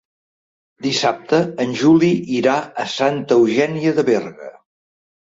Dissabte en Juli irà a Santa Eugènia de Berga.